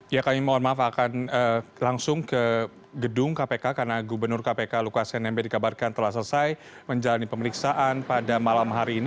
ya kami mohon maaf akan langsung ke gedung kpk karena gubernur kpk lukas nmb dikabarkan telah selesai menjalani pemeriksaan pada malam hari ini